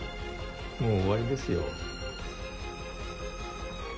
もう終わりですよ？